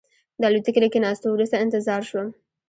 د الوتکې له کېناستو وروسته انتظار شوم.